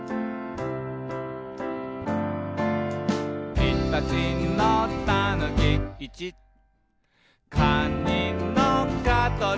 「いたちのたぬき」「いち」「かにのかとり」